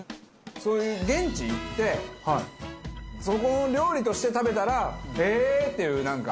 そういう現地行ってそこの料理として食べたらへえー！っていうなんか。